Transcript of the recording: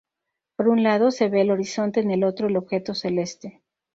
Por un lado, se ve el horizonte, en el otro, el objeto celeste.